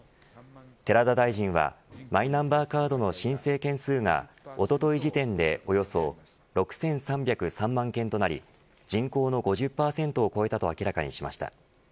寺田大臣はマイナンバーカードの申請件数がおととい時点でおよそ６３０３万件となり人口の５０％を超えたと明らかにしました。